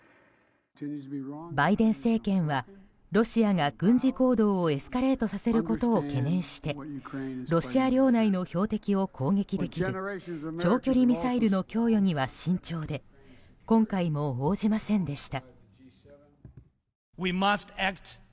バイデン政権はロシアが軍事行動をエスカレートさせることを懸念してロシア領内の標的を攻撃できる長距離ミサイルの供与には慎重で今回も応じませんでした。